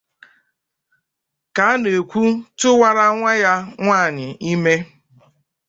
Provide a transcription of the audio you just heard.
ka a na-ekwu tụwara nwa ya nwaanyị ime